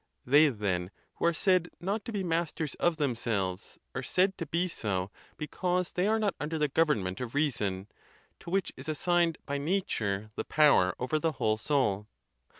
They, then, who are said not to be masters of themselves, are said to be so because they are not under the government of reason, to which is assigned by nature the power over the whole soul.